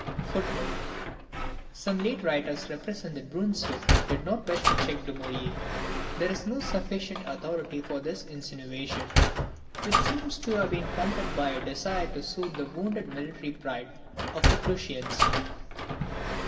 [Some late writers represent that Brunswick did not wish to check Dumouriez. There is no sufficient authority for this insinuation, which seems to have been first prompted by a desire to soothe the wounded military pride of the Prussians.